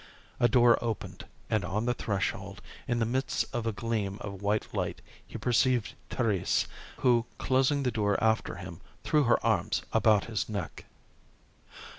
A door opened, and on the threshold, in the midst of a gleam of white light he perceived Thérèse, who closing the door after him, threw her arms about his neck.